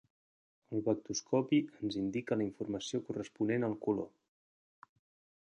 El vectoscopi ens indica la informació corresponent al color.